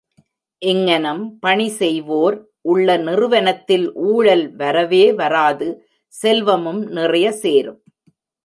இங்ஙனம் பணி செய்வோர் உள்ள நிறுவனத்தில் ஊழல் வரவே வராது செல்வமும் நிறையசேரும்.